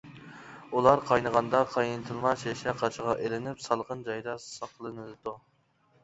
ئۇلار قاينىغاندا قاينىتىلما شېشە قاچىغا ئېلىنىپ، سالقىن جايدا ساقلىنىدۇ.